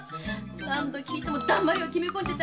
何度聞いてもだんまりを決めこんじゃって。